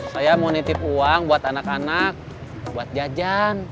saya mau nitip uang buat anak anak buat jajan